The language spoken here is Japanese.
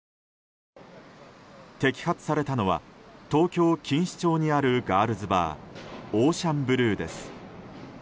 摘発されたのは東京・錦糸町にあるガールズバーＯｃｅａｎＢｌｕｅです。